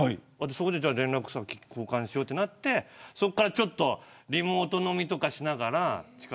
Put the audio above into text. そこで連絡先を交換しようってなってそこからちょっとリモート飲みとかしながら。